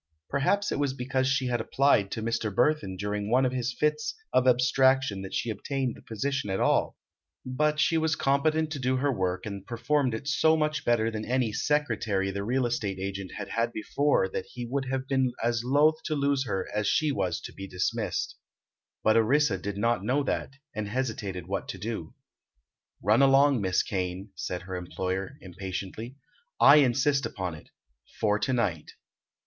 Perhaps it was because she had applied to Mr. Burthon during one of his fits of abstraction that she obtained the position at all; but she was competent to do her work and performed it so much better than any "secretary" the real estate agent had before had that he would have been as loth to lose her as she was to be dismissed. But Orissa did not know that, and hesitated what to do. "Run along, Miss Kane," said her employer, impatiently; "I insist upon it—for to night."